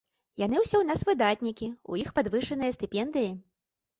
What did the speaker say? Яны ўсе ў нас выдатнікі, у іх падвышаныя стыпендыі.